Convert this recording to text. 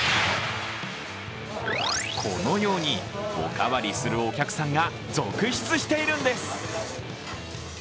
このように、おかわりするお客さんが続出しているんです。